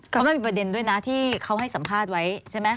เพราะมันมีประเด็นด้วยนะที่เขาให้สัมภาษณ์ไว้ใช่ไหม